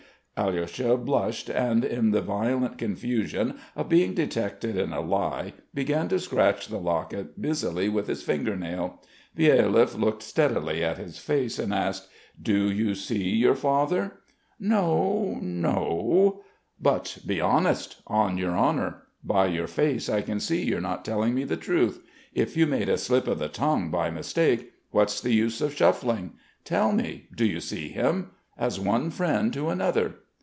Alyosha blushed and in the violent confusion of being detected in a lie began to scratch the locket busily with his finger nail. Byelyaev looked steadily at his face and asked: "Do you see your father?" "No ... no!" "But, be honest on your honour. By your face I can see you're not telling me the truth. If you made a slip of the tongue by mistake, what's the use of shuffling. Tell me, do you see him? As one friend to another."